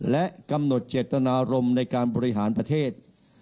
และกำหนดเจตนารมณ์ในการบริหารประเทศ